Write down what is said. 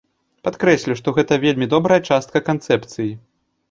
Падкрэслю, што гэта вельмі добрая частка канцэпцыі.